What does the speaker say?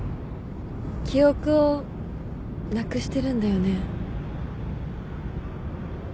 記憶をなくしてるんだよね？